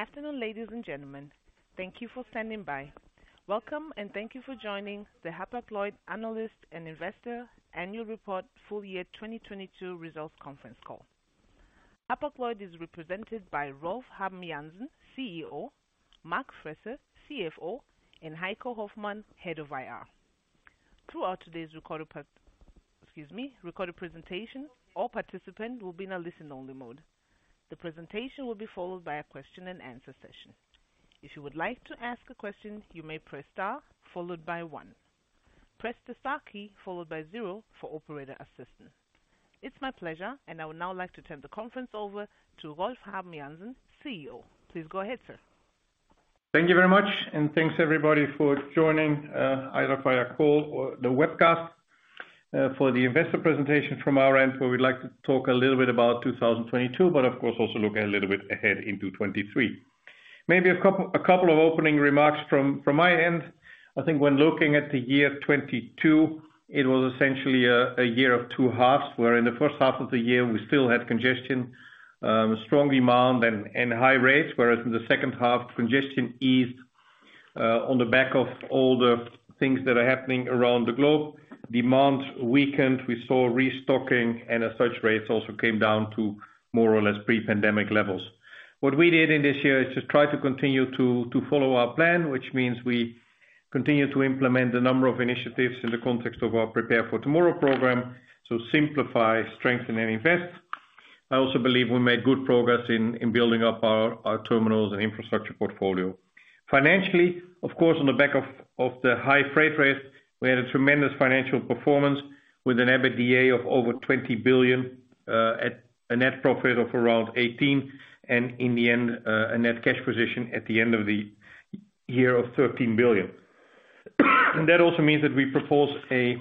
Afternoon, ladies and gentlemen. Thank you for standing by. Welcome, thank you for joining the Hapag-Lloyd analyst and investor annual report full year 2022 results conference call. Hapag-Lloyd is represented by Rolf Habben Jansen, CEO, Mark Frese, CFO, and Heiko Hoffmann, head of IR. Throughout today's recorded presentation, all participant will be in a listen-only mode. The presentation will be followed by a question-and-answer session. If you would like to ask a question, you may press star followed by one. Press the star key followed by zero for operator assistance. It's my pleasure, I would now like to turn the conference over to Rolf Habben Jansen, CEO. Please go ahead, sir. Thank you very much, and thanks everybody for joining, either via call or the webcast, for the investor presentation from our end, where we'd like to talk a little bit about 2022, of course also look a little bit ahead into 2023. Maybe a couple of opening remarks from my end. I think when looking at the year 2022, it was essentially a year of two halves, where in the first half of the year we still had congestion, strong demand and high rates. In the second half, congestion eased, on the back of all the things that are happening around the globe. Demand weakened. We saw restocking and as such rates also came down to more or less pre-pandemic levels. What we did in this year is to try to continue to follow our plan, which means we continue to implement a number of initiatives in the context of our Prepare for Tomorrow program to simplify, strengthen, and invest. I also believe we made good progress in building up our terminals and infrastructure portfolio. Financially, of course, on the back of the high freight rates, we had a tremendous financial performance with an EBITDA of over 20 billion at a net profit of around 18 billion, and in the end, a net cash position at the end of the year of 13 billion. That also means that we propose a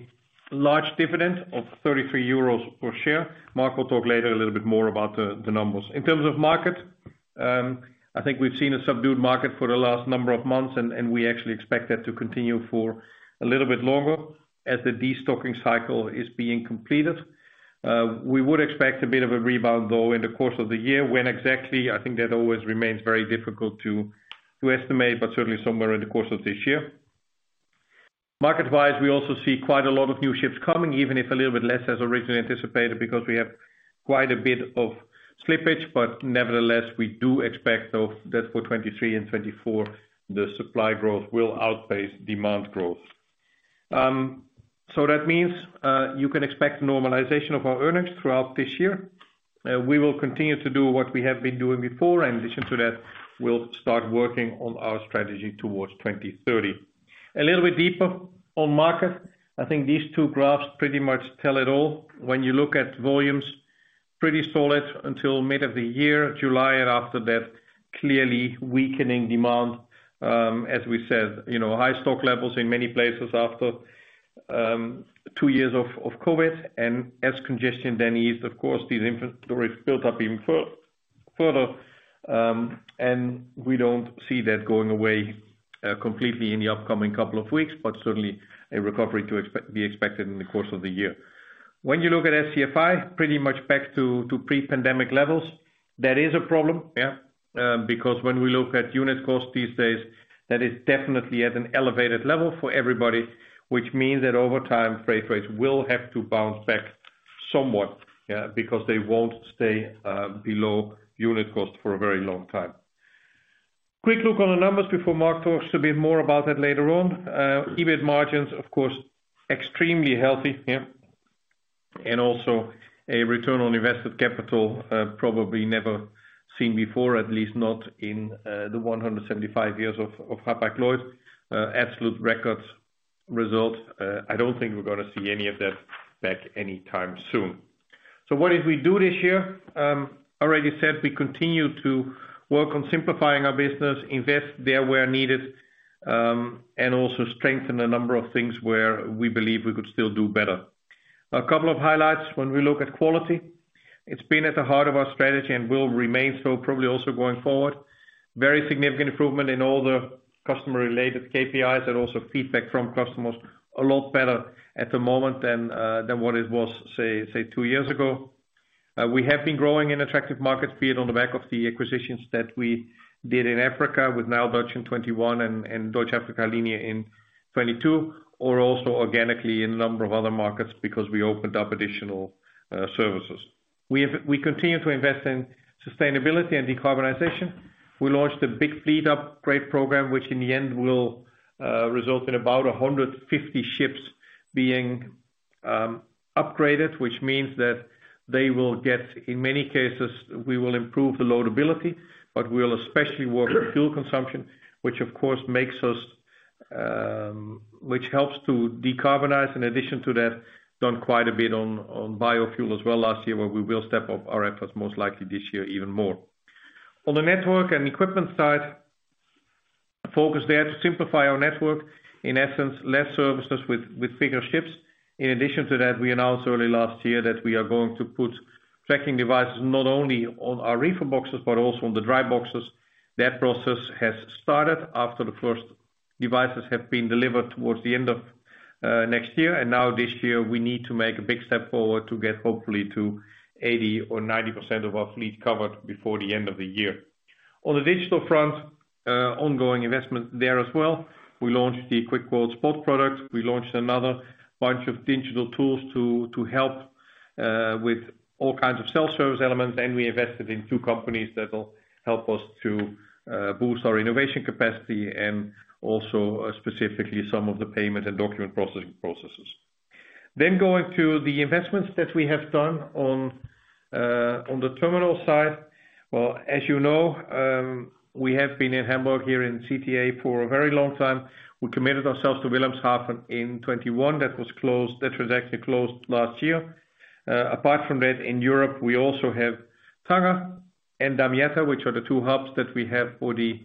large dividend of 33 euros per share. Mark will talk later a little bit more about the numbers. In terms of market, I think we've seen a subdued market for the last number of months, and we actually expect that to continue for a little bit longer as the destocking cycle is being completed. We would expect a bit of a rebound, though, in the course of the year. When exactly, I think that always remains very difficult to estimate, but certainly somewhere in the course of this year. Market-wise, we also see quite a lot of new ships coming, even if a little bit less as originally anticipated because we have quite a bit of slippage, nevertheless we do expect that for 2023 and 2024 the supply growth will outpace demand growth. That means, you can expect normalization of our earnings throughout this year. We will continue to do what we have been doing before. In addition to that, we'll start working on our strategy towards 2030. A little bit deeper on market, I think these two graphs pretty much tell it all. When you look at volumes, pretty solid until mid of the year, July. After that, clearly weakening demand. As we said, you know, high stock levels in many places after two years of COVID and as congestion then eased, of course these inventories built up even further, and we don't see that going away completely in the upcoming couple of weeks. Certainly a recovery to be expected in the course of the year. When you look at SCFI, pretty much back to pre-pandemic levels. That is a problem, because when we look at unit costs these days, that is definitely at an elevated level for everybody, which means that over time, freight rates will have to bounce back somewhat, because they won't stay below unit cost for a very long time. Quick look on the numbers before Mark talks a bit more about that later on. EBIT margins, of course, extremely healthy, and also a return on invested capital, probably never seen before, at least not in the 175 years of Hapag-Lloyd. Absolute records result. I don't think we're gonna see any of that back anytime soon. What did we do this year? Already said we continue to work on simplifying our business, invest there where needed, and also strengthen a number of things where we believe we could still do better. A couple of highlights when we look at quality. It's been at the heart of our strategy and will remain so probably also going forward. Very significant improvement in all the customer-related KPIs and also feedback from customers. A lot better at the moment than what it was, say two years ago. We have been growing in attractive markets, be it on the back of the acquisitions that we did in Africa with now NileDutch in 2021 and Deutsche Afrika-Linien in 2022, or also organically in a number of other markets because we opened up additional services. We continue to invest in sustainability and decarbonization. We launched a big fleet upgrade program, which in the end will result in about 150 ships being upgraded, which means that In many cases, we will improve the loadability, but we'll especially work on fuel consumption, which of course makes us, which helps to decarbonize. Done quite a bit on biofuel as well last year, where we will step up our efforts most likely this year even more. On the network and equipment side, a focus there to simplify our network. In essence, less services with bigger ships. We announced early last year that we are going to put tracking devices not only on our reefer boxes but also on the dry boxes. That process has started after the first devices have been delivered towards the end of December. Now this year we need to make a big step forward to get hopefully to 80% or 90% of our fleet covered before the end of the year. On the digital front, ongoing investment there as well. We launched the Quick Quote Spot product. We launched another bunch of digital tools to help with all kinds of self-service elements, and we invested in two companies that will help us to boost our innovation capacity and also specifically some of the payment and document processing processes. Going to the investments that we have done on the terminal side. As you know, we have been in Hamburg here in CTA for a very long time. We committed ourselves to Wilhelmshaven in 2021. That was closed, that was actually closed last year. Apart from that, in Europe, we also have Tangier and Damietta, which are the two hubs that we have for the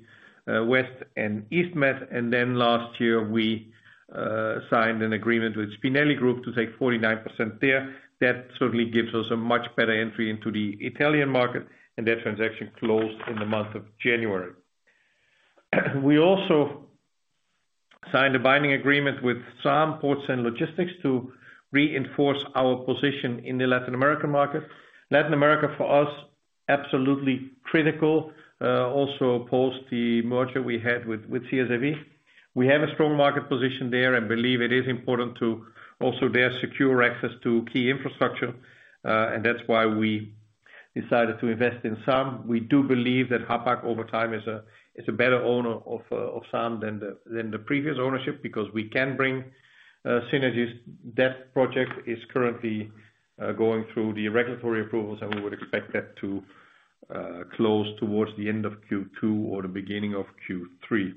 west and east Med. Last year, we signed an agreement with Spinelli Group to take 49% there. That certainly gives us a much better entry into the Italian market, and that transaction closed in the month of January. We also signed a binding agreement with SAAM Ports and Logistics to reinforce our position in the Latin American market. Latin America for us, absolutely critical, also post the merger we had with CSAV. We have a strong market position there and believe it is important to also their secure access to key infrastructure, and that's why we decided to invest in SAAM. We do believe that Hapag over time is a, is a better owner of SAAM than the previous ownership because we can bring synergies. That project is currently going through the regulatory approvals. We would expect that to close towards the end of Q2 or the beginning of Q3.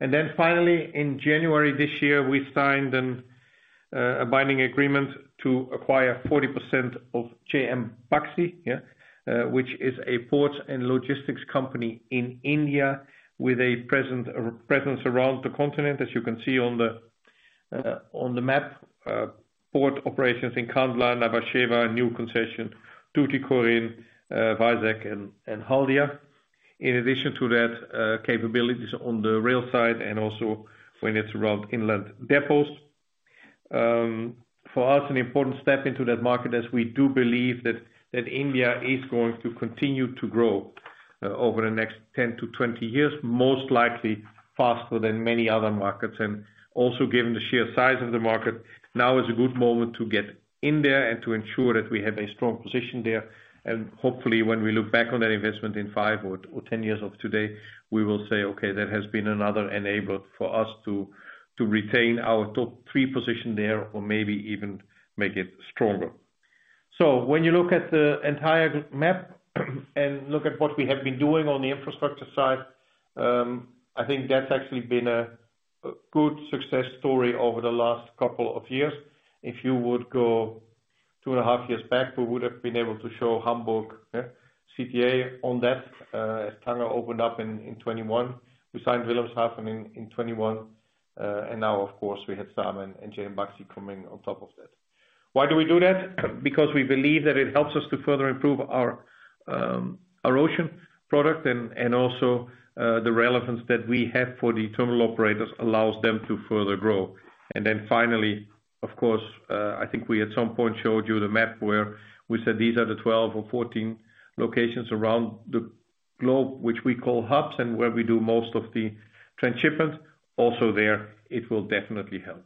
Then finally, in January this year, we signed a binding agreement to acquire 40% of JM Baxi, which is a port and logistics company in India with a presence around the continent. As you can see on the map, port operations in Kandla, Nhava Sheva, new concession, Tuticorin, Vizag, and Haldia. In addition to that, capabilities on the rail side and also when it's around inland depots. For us, an important step into that market as we do believe that India is going to continue to grow over the next 10-20 years, most likely faster than many other markets. Also given the sheer size of the market, now is a good moment to get in there and to ensure that we have a strong position there. Hopefully when we look back on that investment in 5 or 10 years of today, we will say, "Okay, that has been another enabler for us to retain our top three position there or maybe even make it stronger." When you look at the entire map and look at what we have been doing on the infrastructure side, I think that's actually been a good success story over the last couple of years. If you would go two and a half years back, we would have been able to show Hamburg, CTA on that, as Tangier opened up in 2021. We signed Wilhelmshaven in 2021. Now of course, we have SAAM and JM Baxi coming on top of that. Why do we do that? Because we believe that it helps us to further improve our ocean product and also the relevance that we have for the terminal operators allows them to further grow. Finally, of course, I think we at some point showed you the map where we said these are the 12 or 14 locations around the globe, which we call hubs and where we do most of the transshipment. Also there, it will definitely help.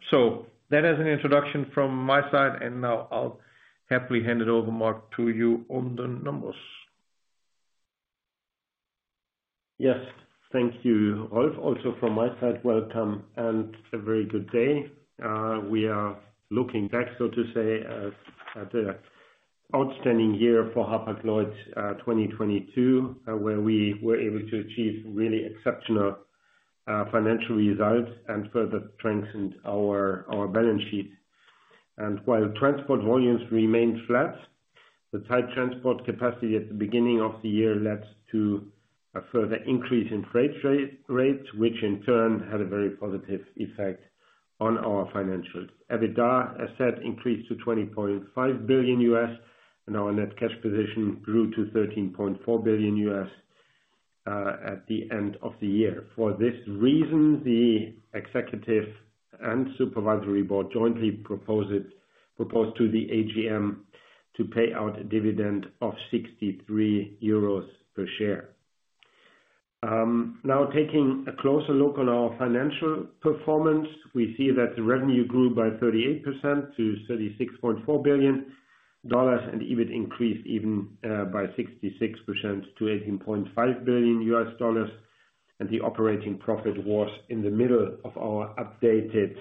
That is an introduction from my side, and now I'll happily hand it over, Mark, to you on the numbers. Yes. Thank you, Rolf. Also from my side, welcome and a very good day. We are looking back, so to say, at outstanding year for Hapag-Lloyd, 2022, where we were able to achieve really exceptional financial results and further strengthened our balance sheet. While transport volumes remained flat, the tight transport capacity at the beginning of the year led to a further increase in freight rates, which in turn had a very positive effect on our financials. EBITDA, as said, increased to $20.5 billion, and our net cash position grew to $13.4 billion at the end of the year. For this reason, the executive and supervisory board jointly proposed to the AGM to pay out a dividend of 63 euros per share. Now taking a closer look on our financial performance, we see that the revenue grew by 38%-$36.4 billion, and EBIT increased even by 66%-$18.5 billion. The operating profit was in the middle of our updated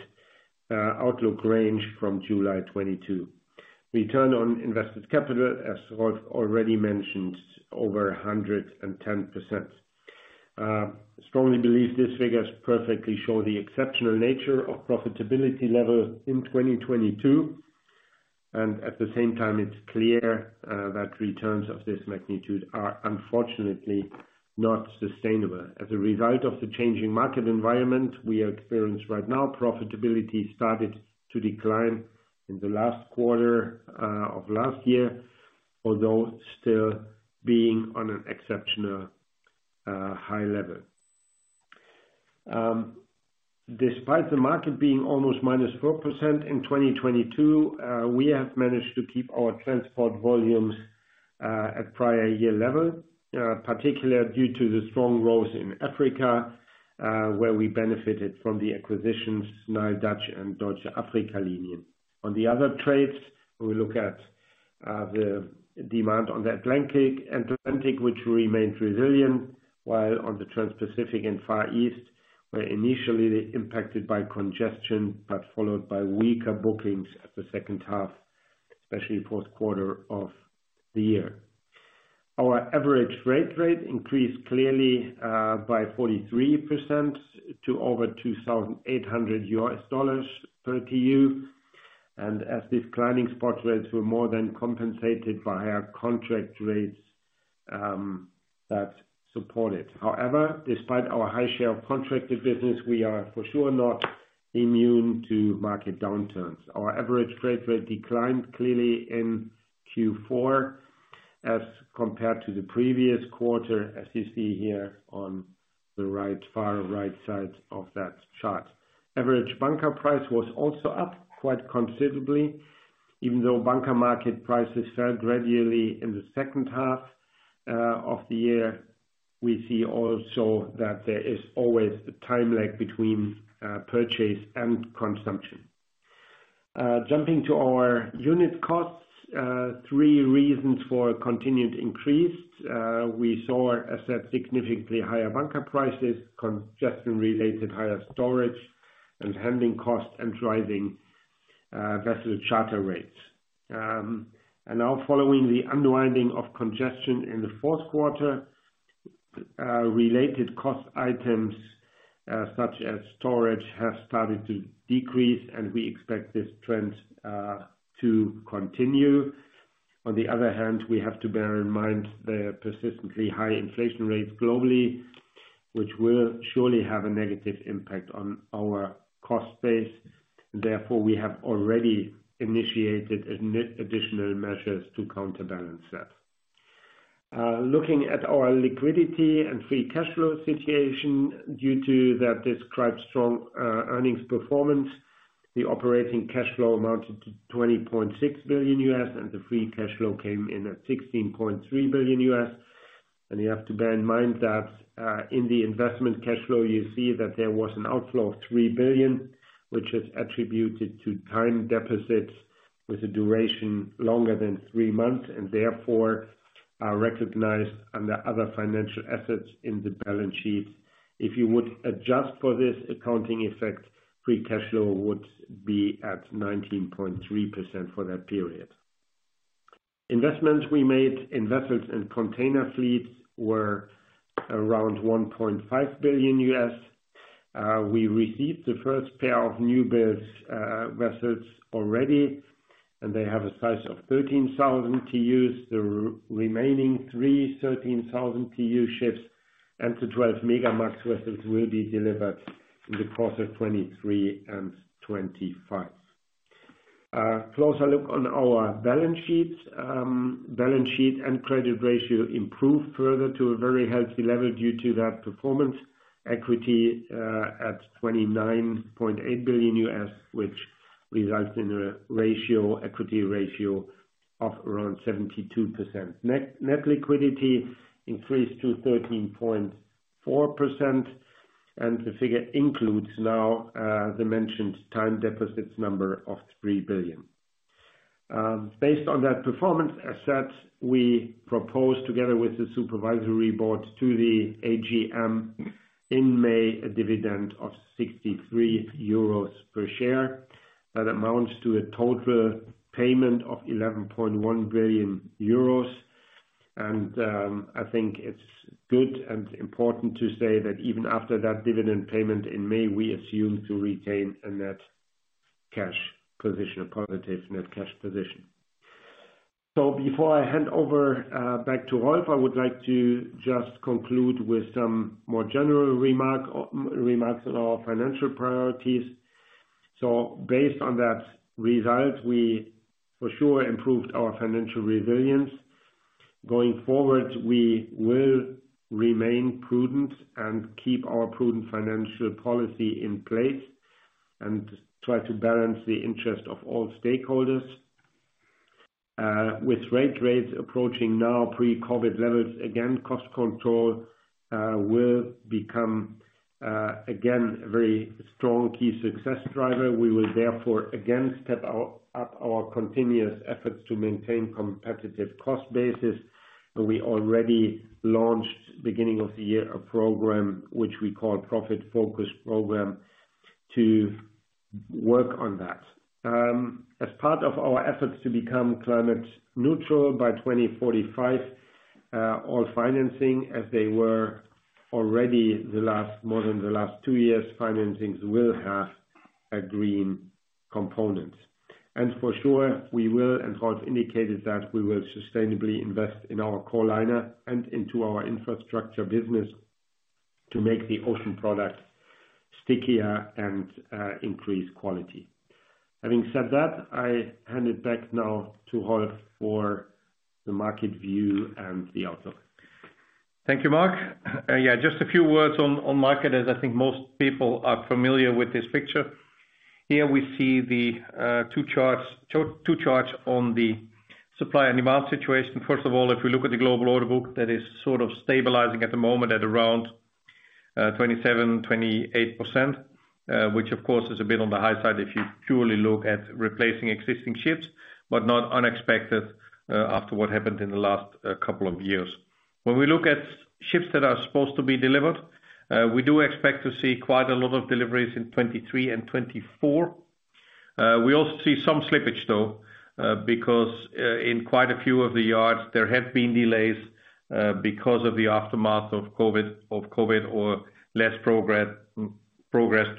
outlook range from July 2022. Return on invested capital, as Rolf already mentioned, over 110%. Strongly believe these figures perfectly show the exceptional nature of profitability level in 2022. At the same time, it's clear that returns of this magnitude are unfortunately not sustainable. As a result of the changing market environment we experience right now, profitability started to decline in the last quarter of last year, although still being on an exceptional high level. Despite the market being almost -4% in 2022, we have managed to keep our transport volumes at prior year level, particularly due to the strong growth in Africa, where we benefited from the acquisitions, NYK and NileDutch Afrika-Linien. On the other trades, we look at the demand on the Atlantic which remained resilient while on the Transpacific and Far East were initially impacted by congestion, but followed by weaker bookings at the second half, especially fourth quarter of the year. Our average freight rate increased clearly by 43% to over $2,800 per TEU. As these climbing spot rates were more than compensated by our contract rates that support it. However, despite our high share of contracted business, we are for sure not immune to market downturns. Our average freight rate declined clearly in Q4 as compared to the previous quarter, as you see here on the right far, right side of that chart. Average bunker price was also up quite considerably, even though bunker market prices fell gradually in the second half of the year. We see also that there is always a time lag between purchase and consumption. Jumping to our unit costs, three reasons for a continued increase. We saw a set significantly higher bunker prices, congestion-related higher storage and handling costs and driving vessel charter rates. Now following the unwinding of congestion in the fourth quarter, related cost items, such as storage, have started to decrease and we expect this trend to continue. On the other hand, we have to bear in mind the persistently high inflation rates globally, which will surely have a negative impact on our cost base. Therefore, we have already initiated additional measures to counterbalance that. Looking at our liquidity and free cash flow situation. Due to that described strong earnings performance, the operating cash flow amounted to $20.6 billion, and the free cash flow came in at $16.3 billion. You have to bear in mind that, in the investment cash flow, you see that there was an outflow of $3 billion, which is attributed to time deposits with a duration longer than three months and therefore are recognized under other financial assets in the balance sheet. If you would adjust for this accounting effect, free cash flow would be at 19.3% for that period. Investments we made, invested in container fleets were around $1.5 billion. We received the first pair of new builds, vessels already. They have a size of 13,000 TEUs. The remaining three 13,000 TEU ships and the 12 megamax vessels will be delivered in the course of 2023 and 2025. Closer look on our balance sheets. Balance sheet and credit ratio improved further to a very healthy level due to that performance. Equity at $29.8 billion, which results in an equity ratio of around 72%. Net liquidity increased to 13.4%. The figure includes now the mentioned time deficits number of $3 billion. Based on that performance asset, we propose together with the supervisory board to the AGM in May, a dividend of 63 euros per share. That amounts to a total payment of 11.1 billion euros. I think it's good and important to say that even after that dividend payment in May, we assume to retain a net cash position, a positive net cash position. Before I hand over back to Rolf, I would like to just conclude with some more general remarks on our financial priorities. Based on that result, we for sure improved our financial resilience. Going forward, we will remain prudent and keep our prudent financial policy in place and try to balance the interest of all stakeholders. With rates approaching now pre-COVID levels, again, cost control will become again a very strong key success driver. We will therefore again step up our continuous efforts to maintain competitive cost basis. We already launched beginning of the year, a program which we call Profit Focus program to work on that. As part of our efforts to become climate neutral by 2045, all financing as they were already the last, more than the last two years, financings will have a green component. For sure we will, and Rolf indicated that we will sustainably invest in our core liner and into our infrastructure business. To make the ocean product stickier and increase quality. Having said that, I hand it back now to Rolf for the market view and the outlook. Thank you, Mark. Just a few words on market as I think most people are familiar with this picture. Here we see the two charts on the supply and demand situation. First of all, if you look at the global order book, that is sort of stabilizing at the moment at around 27%-28%, which of course is a bit on the high side if you purely look at replacing existing ships, but not unexpected, after what happened in the last couple of years. When we look at ships that are supposed to be delivered, we do expect to see quite a lot of deliveries in 2023 and 2024. We also see some slippage though, because in quite a few of the yards there have been delays, because of the aftermath of COVID or less progress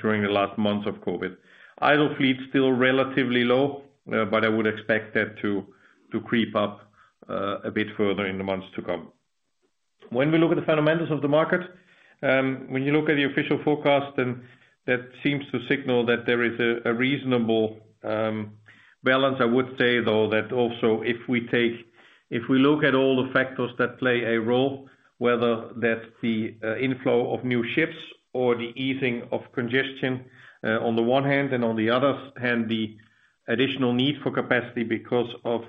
during the last months of COVID. Idle fleet's still relatively low, but I would expect that to creep up a bit further in the months to come. When we look at the fundamentals of the market, when you look at the official forecast, that seems to signal that there is a reasonable balance. I would say though that also If we look at all the factors that play a role, whether that's the inflow of new ships or the easing of congestion on the one hand and on the other hand, the additional need for capacity because of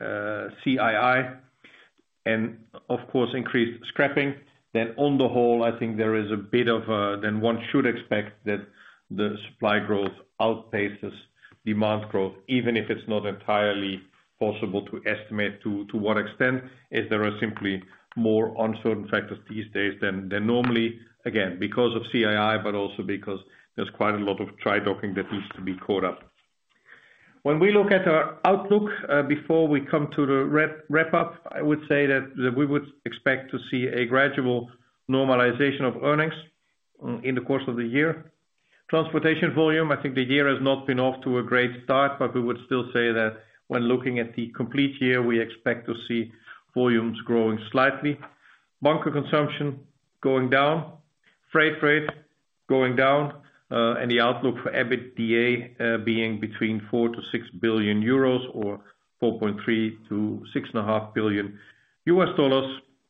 CII and of course increased scrapping, then on the whole, I think there is a bit of a... then one should expect that the supply growth outpaces demand growth, even if it's not entirely possible to estimate to what extent, if there are simply more uncertain factors these days than normally. Again, because of CII, but also because there's quite a lot of dry docking that needs to be caught up. When we look at our outlook, before we come to the wrap up, I would say that we would expect to see a gradual normalization of earnings in the course of the year. Transportation volume, I think the year has not been off to a great start, but we would still say that when looking at the complete year, we expect to see volumes growing slightly. Bunker consumption going down, freight rate going down, and the outlook for EBITDA being between 4 billion-6 billion euros or $4.3 billion-$6.5 billion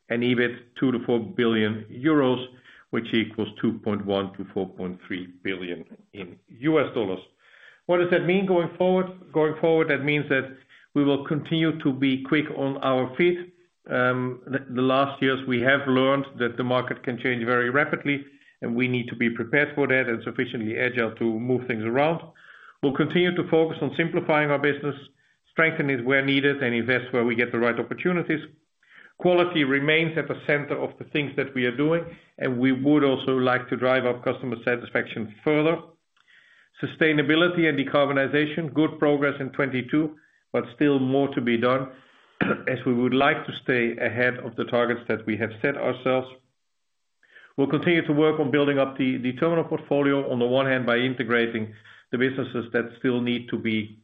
and EBIT 2 billion-4 billion euros, which equals $2.1 billion-$4.3 billion. What does that mean going forward? Going forward, that means that we will continue to be quick on our feet. The last years we have learned that the market can change very rapidly and we need to be prepared for that and sufficiently agile to move things around. We'll continue to focus on simplifying our business, strengthening where needed and invest where we get the right opportunities. Quality remains at the center of the things that we are doing, and we would also like to drive our customer satisfaction further. Sustainability and decarbonization, good progress in 2022, but still more to be done, as we would like to stay ahead of the targets that we have set ourselves. We'll continue to work on building up the terminal portfolio on the one hand by integrating the businesses that still need to be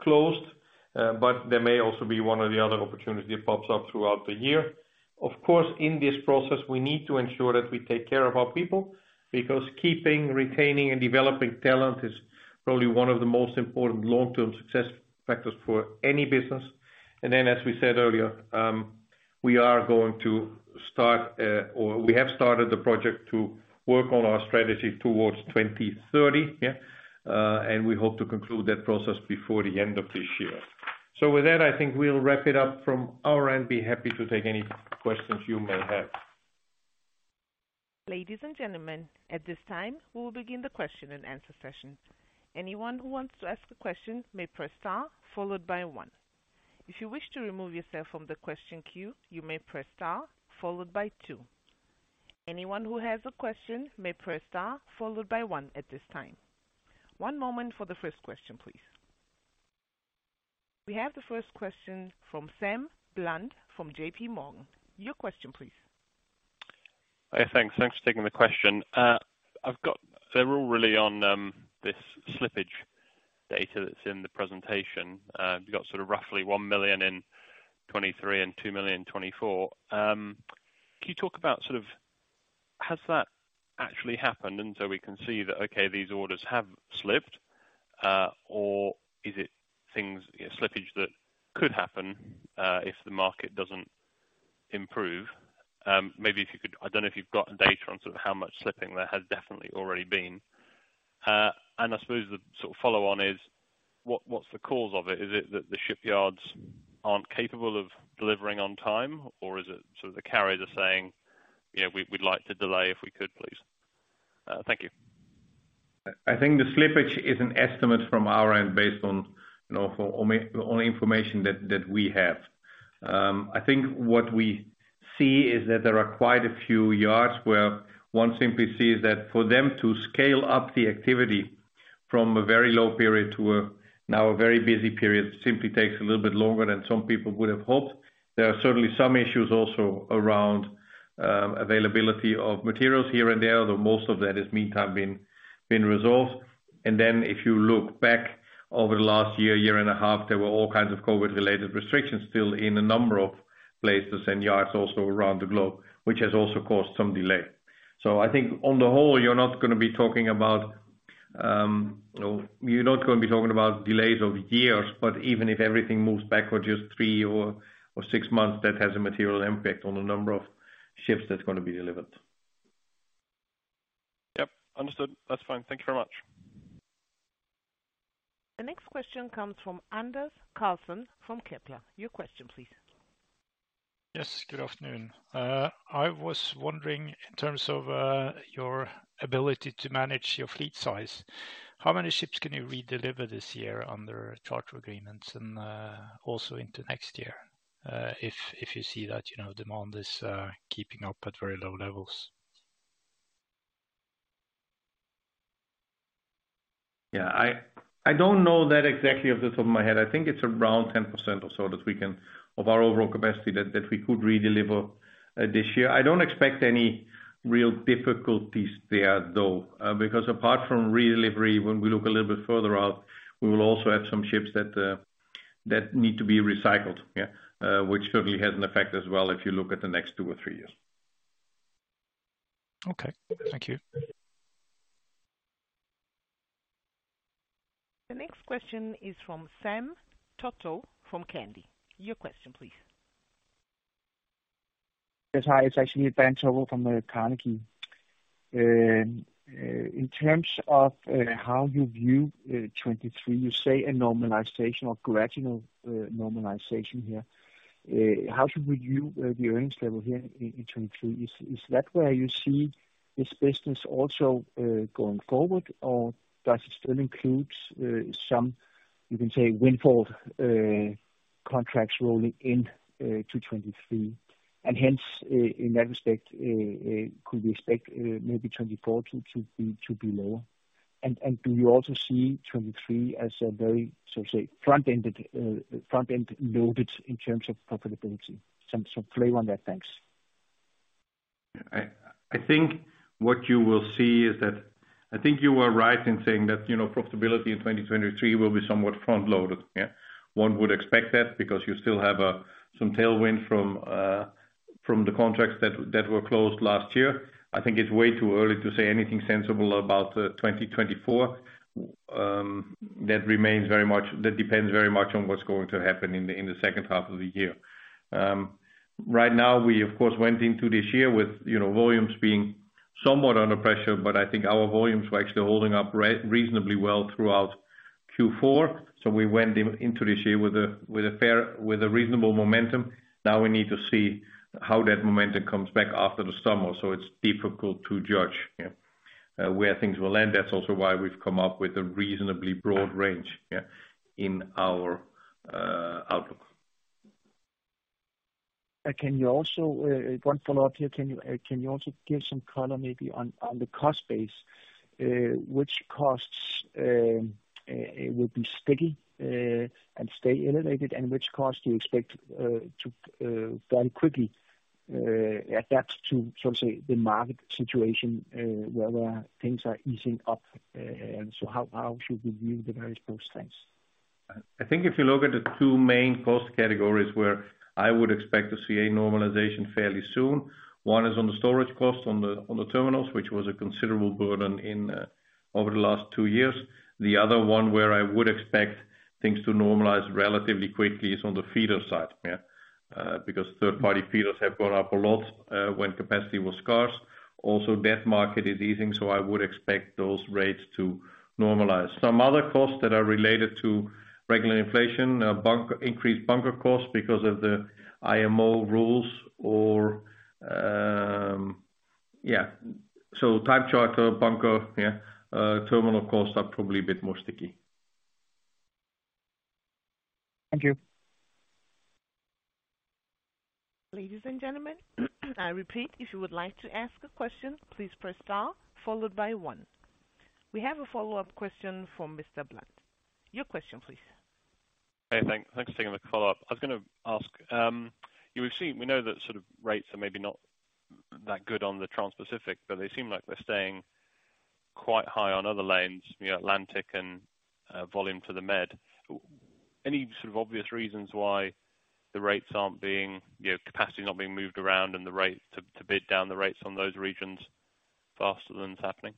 closed, but there may also be one or the other opportunity that pops up throughout the year. Of course, in this process, we need to ensure that we take care of our people because keeping, retaining and developing talent is probably one of the most important long-term success factors for any business. As we said earlier, we are going to start, or we have started the project to work on our strategy towards 2030, yeah, and we hope to conclude that process before the end of this year. With that, I think we'll wrap it up from our end. Be happy to take any questions you may have. Ladies and gentlemen, at this time we will begin the question and answer session. Anyone who wants to ask a question may press star followed by one. If you wish to remove yourself from the question queue, you may press star followed by two. Anyone who has a question may press star followed by one at this time. One moment for the first question, please. We have the first question from Sam Bland from JPMorgan. Your question please. Yeah, thanks. Thanks for taking the question. They're all really on this slippage data that's in the presentation. You've got sort of roughly 1 million in 2023 and 2 million in 2024. Can you talk about sort of has that actually happened? So we can see that, okay, these orders have slipped, or is it things, you know, slippage that could happen, if the market doesn't improve? I don't know if you've got data on sort of how much slipping there has definitely already been. I suppose the sort of follow on is what's the cause of it? Is it that the shipyards aren't capable of delivering on time or is it sort of the carriers are saying, "Yeah, we'd like to delay if we could please." Thank you. I think the slippage is an estimate from our end based on, you know, on information that we have. I think what we see is that there are quite a few yards where one simply sees that for them to scale up the activity from a very low period to a now a very busy period simply takes a little bit longer than some people would have hoped. There are certainly some issues also around availability of materials here and there, though most of that has meantime been resolved. If you look back over the last year and a half, there were all kinds of COVID-related restrictions still in a number of places and yards also around the globe, which has also caused some delay. I think on the whole, you're not gonna be talking about, you're not gonna be talking about delays of years, but even if everything moves backwards just three or six months, that has a material impact on the number of ships that's gonna be delivered. Yep, understood. That's fine. Thank you very much. The next question comes from Anders Carlsson from Kepler. Your question, please. Yes. Good afternoon. I was wondering, in terms of your ability to manage your fleet size, how many ships can you redeliver this year under charter agreements and also into next year, if you see that, you know, demand is keeping up at very low levels? I don't know that exactly off the top of my head. I think it's around 10% or so of our overall capacity that we could redeliver this year. I don't expect any real difficulties there, though, because apart from redelivery, when we look a little bit further out, we will also have some ships that need to be recycled, yeah, which certainly has an effect as well if you look at the next two or three years. Okay. Thank you. The next question is from Sam Toto from Ca. Your question, please. Yes. Hi. It's actually Ben Toto from Carnegie. In terms of how you view 2023, you say a normalization or gradual normalization here. How should we view the earnings level here in 2023? Is that where you see this business also going forward, or does it still includes some, you can say windfall contracts rolling in to 2023? Hence, in that respect, could we expect maybe 2024 to be lower? Do you also see 2023 as a very, so say, front-ended, front-end loaded in terms of profitability? Some flavor on that. Thanks. I think what you will see is that I think you are right in saying that, you know, profitability in 2023 will be somewhat front-loaded. Yeah. One would expect that because you still have some tailwind from the contracts that were closed last year. I think it's way too early to say anything sensible about 2024. That depends very much on what's going to happen in the second half of the year. Right now, we of course went into this year with, you know, volumes being somewhat under pressure, but I think our volumes were actually holding up reasonably well throughout Q4. We went into this year with a fair, with a reasonable momentum. Now we need to see how that momentum comes back after the summer. It's difficult to judge, yeah, where things will land. That's also why we've come up with a reasonably broad range, yeah, in our outlook. Can you also, one follow-up here? Can you, can you also give some color maybe on the cost base, which costs will be sticky and stay elevated, and which costs you expect to then quickly adapt to, so say, the market situation, where things are easing up? How should we view the various costs? Thanks. I think if you look at the two main cost categories where I would expect to see a normalization fairly soon, one is on the storage cost on the, on the terminals, which was a considerable burden in over the last two years. The other one where I would expect things to normalize relatively quickly is on the feeder side, yeah. Third-party feeders have gone up a lot when capacity was scarce. Also that market is easing, I would expect those rates to normalize. Some other costs that are related to regular inflation, increased bunker costs because of the IMO rules or... Yeah. Time charter, bunker, yeah, terminal costs are probably a bit more sticky. Thank you. Ladies and gentlemen, I repeat, if you would like to ask a question, please press star followed by 1. We have a follow-up question from Mr. Bland. Your question please. Hey, thanks for taking the follow-up. I was gonna ask, we know that sort of rates are maybe not that good on the Transpacific, but they seem like they're staying quite high on other lanes, you know, Atlantic and volume to the Med. Any sort of obvious reasons why the rates aren't being, you know, capacity not being moved around and the rate to bid down the rates on those regions faster than it's happening?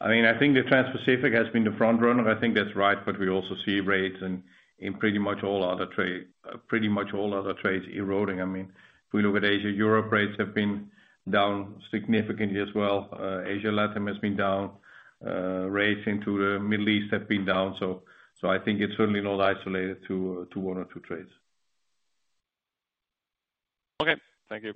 I mean, I think the Transpacific has been the front runner. I think that's right. We also see rates in pretty much all other trades eroding. I mean, if we look at Asia-Europe rates have been down significantly as well. Asia-LATAM has been down. Rates into the Middle East have been down. I think it's certainly not isolated to one or two trades. Okay. Thank you.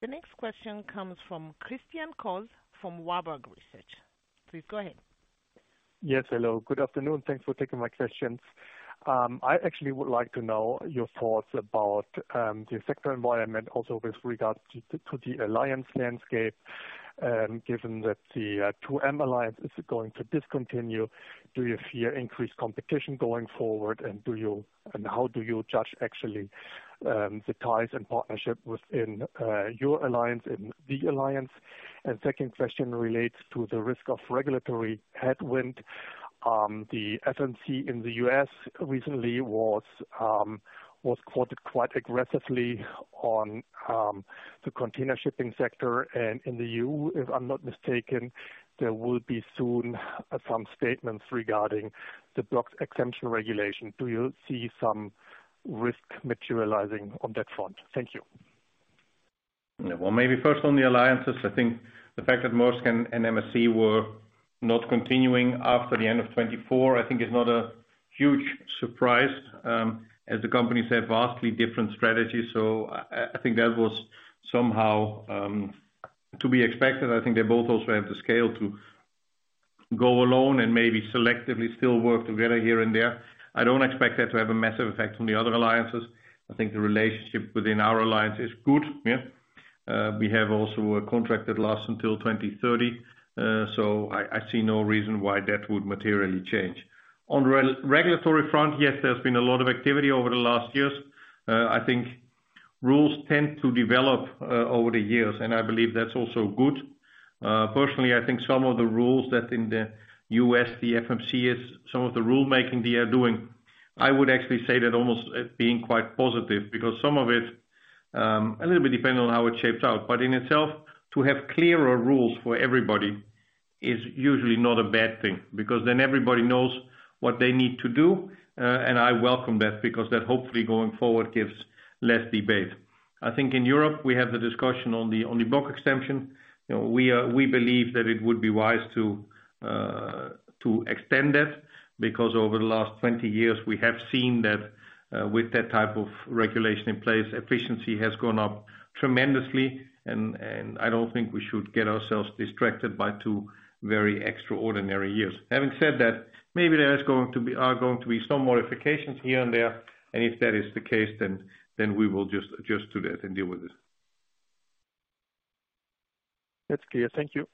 The next question comes from Christian Cohrs from Warburg Research. Please go ahead. Yes. Hello. Good afternoon. Thanks for taking my questions. I actually would like to know your thoughts about the sector environment also with regards to the alliance landscape, given that the 2M alliance is going to discontinue. Do you fear increased competition going forward? How do you judge actually the ties and partnership within your alliance and the alliance? Second question relates to the risk of regulatory headwind. The FMC in the US recently was quoted quite aggressively on the container shipping sector. In the EU, if I'm not mistaken, there will be soon some statements regarding the block exemption regulation. Do you see some risk materializing on that front? Thank you. Well, maybe first on the alliances. I think the fact that Maersk and MSC were not continuing after the end of 2024, I think is not a huge surprise, as the company said, vastly different strategies. I think that was somehow to be expected. I think they both also have the scale to go alone and maybe selectively still work together here and there. I don't expect that to have a massive effect on the other alliances. I think the relationship within our alliance is good. We have also a contract that lasts until 2030. I see no reason why that would materially change. On regulatory front, yes, there's been a lot of activity over the last years. I think rules tend to develop over the years, I believe that's also good. Personally, I think some of the rules that in the U.S., the FMC is some of the rulemaking they are doing, I would actually say that almost as being quite positive. Some of it, a little bit depending on how it shapes out. In itself, to have clearer rules for everybody is usually not a bad thing, because then everybody knows what they need to do. And I welcome that because that hopefully going forward gives less debate. I think in Europe we have the discussion on the block exemption. You know, we believe that it would be wise to extend that because over the last 20 years we have seen that, with that type of regulation in place, efficiency has gone up tremendously. I don't think we should get ourselves distracted by two very extraordinary years. Having said that, maybe there are going to be some modifications here and there, and if that is the case, then we will just adjust to that and deal with it. That's clear. Thank you.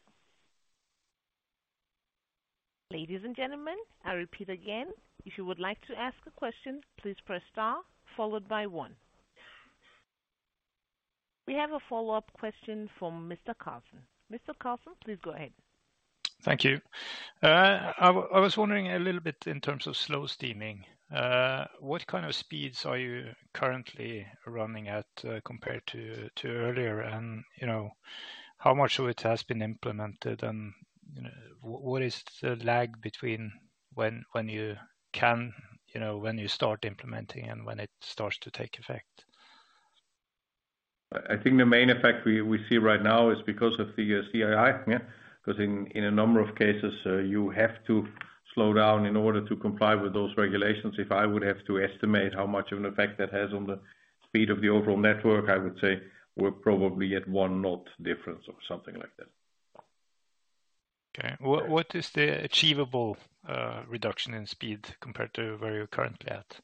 Ladies and gentlemen, I repeat again. If you would like to ask a question, please press star followed by one. We have a follow-up question from Mr. Carlsson. Mr. Carlsson, please go ahead. Thank you. I was wondering a little bit in terms of slow steaming. What kind of speeds are you currently running at, compared to earlier? You know, how much of it has been implemented and, you know, what is the lag between when you can, you know, when you start implementing and when it starts to take effect? I think the main effect we see right now is because of the CII. Yeah. 'Cause in a number of cases, you have to slow down in order to comply with those regulations. If I would have to estimate how much of an effect that has on the speed of the overall network, I would say we're probably at one knot difference or something like that. Okay. What is the achievable, reduction in speed compared to where you're currently at?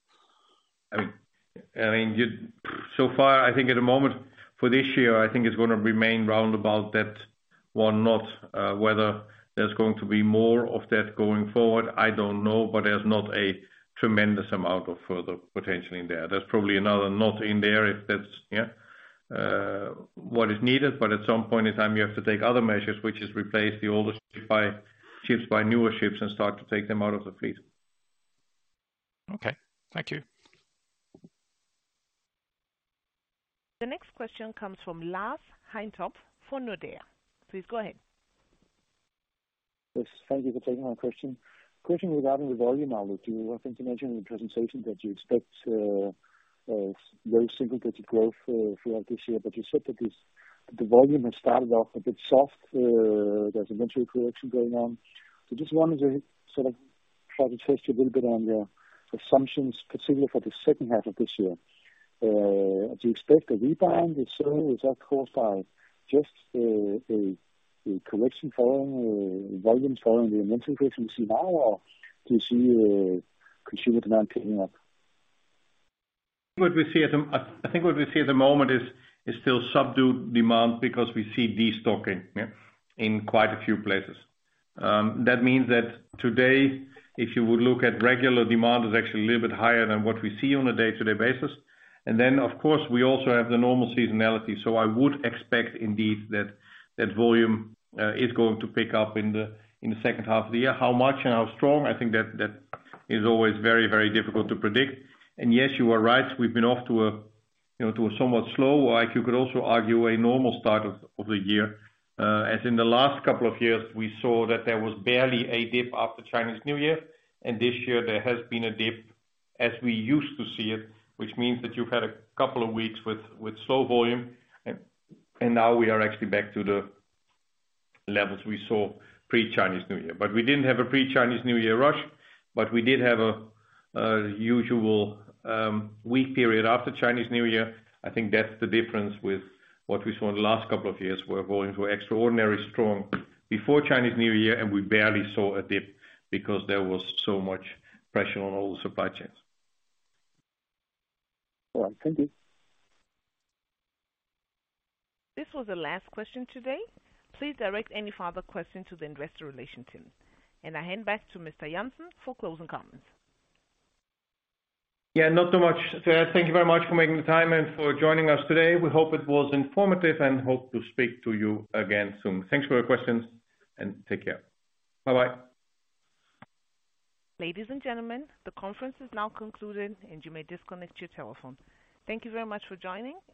I mean, so far, I think at the moment for this year, I think it's gonna remain round about that one knot. Whether there's going to be more of that going forward, I don't know. There's not a tremendous amount of further potential in there. There's probably another 1 knot in there if that's, yeah, what is needed. At some point in time you have to take other measures, which is replace the older ships by newer ships and start to take them out of the fleet. Okay. Thank you. The next question comes from Lars Heindorff for Nordea. Please go ahead. Yes, thank you for taking my question. Question regarding the volume. That you, I think, mentioned in the presentation that you expect very significant growth throughout this year. You said that the volume has started off a bit soft. There's inventory correction going on. Just wanted to sort of try to test you a little bit on the assumptions, particularly for the second half of this year. Do you expect a rebound this year? Is that caused by just a correction following volumes following the inventory that we see now? Do you see consumer demand picking up? What we see at the moment is still subdued demand because we see destocking, yeah, in quite a few places. That means that today, if you would look at regular demand, is actually a little bit higher than what we see on a day-to-day basis. Of course, we also have the normal seasonality. I would expect indeed that volume is going to pick up in the second half of the year. How much and how strong, I think that is always very, very difficult to predict. Yes, you are right, we've been off to a, you know, to a somewhat slow or like you could also argue a normal start of the year. As in the last couple of years we saw that there was barely a dip after Chinese New Year, and this year there has been a dip as we used to see it, which means that you've had a couple of weeks with slow volume. Now we are actually back to the levels we saw pre-Chinese New Year. We didn't have a pre-Chinese New Year rush, but we did have a usual weak period after Chinese New Year. I think that's the difference with what we saw in the last couple of years, where volumes were extraordinarily strong before Chinese New Year and we barely saw a dip because there was so much pressure on all the supply chains. All right. Thank you. This was the last question today. Please direct any further question to the Investor Relations team. I hand back to Mr. Jansen for closing comments. Yeah, not so much. Yeah, thank you very much for making the time and for joining us today. We hope it was informative and hope to speak to you again soon. Thanks for your questions and take care. Bye-bye. Ladies and gentlemen, the conference is now concluded and you may disconnect your telephone. Thank you very much for joining and bye-bye.